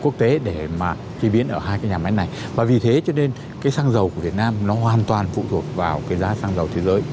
các bộ ngành xăng dầu của việt nam hoàn toàn phụ thuộc vào giá xăng dầu thế giới